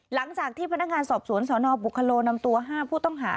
หลังจากที่พนักงานสอบสวนสนบุคโลนำตัว๕ผู้ต้องหา